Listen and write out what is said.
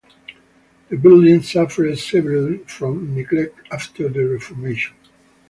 The building suffered severely from neglect after the Reformation.